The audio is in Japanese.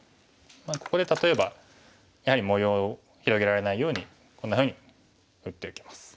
ここで例えばやはり模様を広げられないようにこんなふうに打っておきます。